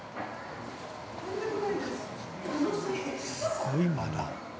すごい間だ。